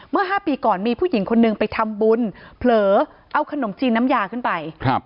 เมื่อ๕ปีก่อนมีผู้หญิงคนนึงไปทำบุญเผลอเอาขนมจีนน้ำยาขึ้นไป